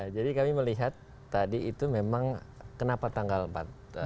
jadi kami melihat tadi itu memang kenapa tanggal empat ratus dua belas ya